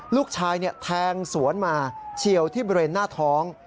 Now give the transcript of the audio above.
ลูกชายแทงสวนมาเฉียวที่บริเวณหน้าท้อง